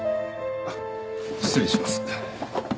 あっ失礼します。